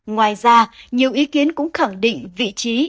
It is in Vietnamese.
ngoài ra nhiều ý kiến cũng khẳng định vị trí